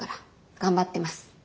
頑張ってます。